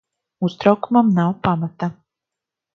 Uztraukumam nav pamata.